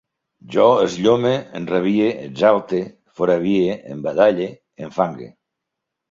Jo esllome, enrabie, exalte, foravie, embadalle, enfangue